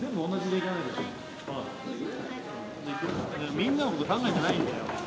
みんなのこと考えてないんだよ